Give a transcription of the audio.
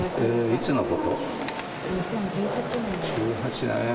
いつのこと？